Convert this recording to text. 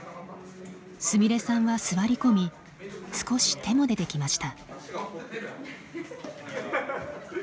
すみれさんは座り込み少し手も出てきました。